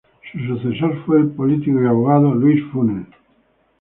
Su sucesor fue el político y abogado Luis Funes.